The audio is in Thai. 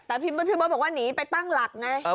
แต่พี่เบิร์ตบอกว่าหนีไปตั้งหลักไง